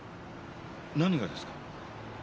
何がですか？